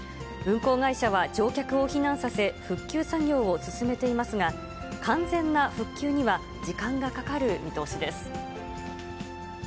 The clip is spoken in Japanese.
運行会社は乗客を避難させ、復旧作業を進めていますが、完全な復旧には時間がかかる見通しです。